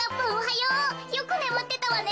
よくねむってたわね。